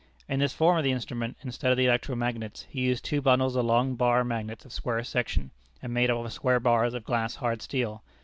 In this form of the instrument, instead of the electro magnets, he used two bundles of long bar magnets of square section and made up of square bars of glass hard steel.